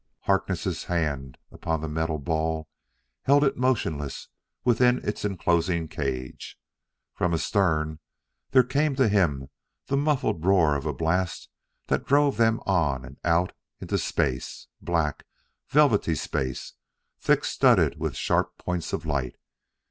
Harkness' hand upon the metal ball held it motionless within its enclosing cage. From astern there came to him the muffled roar of a blast that drove them on and out into space black, velvety space, thick studded with sharp points of light....